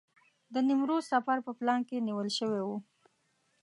د نیمروز سفر په پلان کې نیول شوی و.